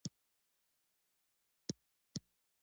د چاپیریال ساتنې اداره طبیعت ساتي